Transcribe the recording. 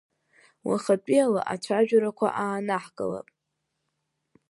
Уахатәиала ацәажәарақәа аанаҳкылап.